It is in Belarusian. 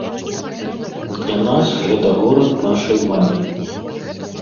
Для нас гэта горад нашай мары.